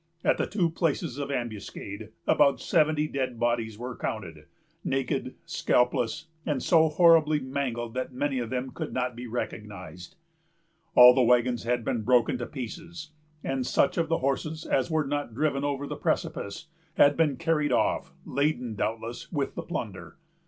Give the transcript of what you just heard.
At the two places of ambuscade, about seventy dead bodies were counted, naked, scalpless, and so horribly mangled that many of them could not be recognized. All the wagons had been broken to pieces, and such of the horses as were not driven over the precipice had been carried off, laden, doubtless, with the plunder.